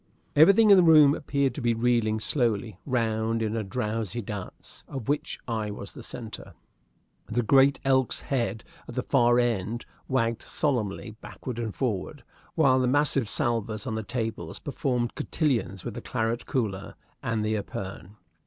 Everything in the room appeared to be reeling slowly round in a drowsy dance, of which I was the centre. The great elk's head at the far end wagged solemnly backward and forward, while the massive salvers on the tables performed cotillons with the claret cooler and the epergne.